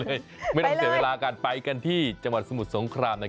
เดี๋ยวไปไปได้เลยพาไปเลยไปกันที่จมวดสมุทรสงคราม